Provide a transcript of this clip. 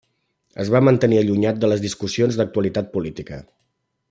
Es va mantenir allunyat de les discussions d'actualitat política.